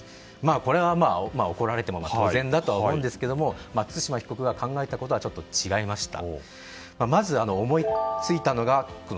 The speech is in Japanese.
これは怒られても当然だとは思うんですが対馬被告が考えたことはちょっと違いました。